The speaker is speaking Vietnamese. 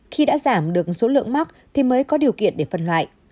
khi đã giảm được số lượng mắc thì mới có điều kiện để phân loại